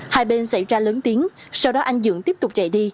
hai bên xảy ra lớn tiếng sau đó anh dưỡng tiếp tục chạy đi